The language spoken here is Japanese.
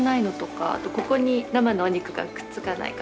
あとここに生のお肉がくっつかないかとか。